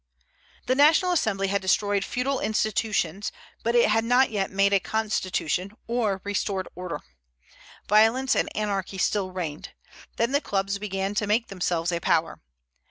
The National Assembly had destroyed feudal institutions; but it had not yet made a constitution, or restored order. Violence and anarchy still reigned. Then the clubs began to make themselves a power.